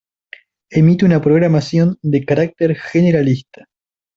Emite una programación de carácter generalista.